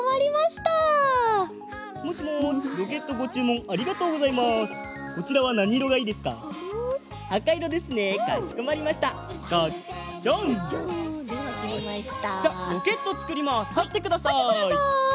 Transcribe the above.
たってください。